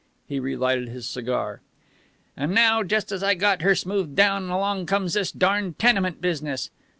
He relighted his cigar. "And now, just as I got her smoothed down, along comes this darned tenement business.